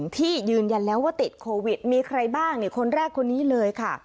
ที่ยืนยันแล้วว่าติดโควิดมีใครบ้างคนแรกคนนี้เลยค่ะ